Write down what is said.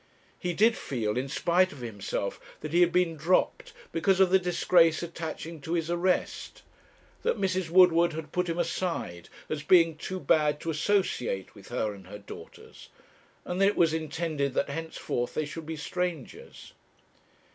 He did feel, in spite of himself, that he had been dropped because of the disgrace attaching to his arrest; that Mrs. Woodward had put him aside as being too bad to associate with her and her daughters; and that it was intended that henceforth they should be strangers.